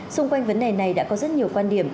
xung quanh vấn đề này đã có rất nhiều quan điểm